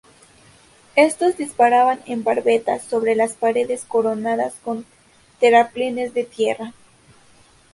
Estos disparaban en barbetas sobre las paredes coronadas con terraplenes de tierra.